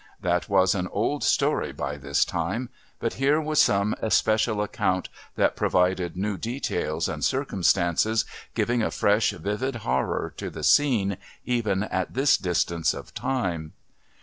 That was an old story by this time, but here was some especial account that provided new details and circumstances, giving a fresh vivid horror to the scene even at this distance of time.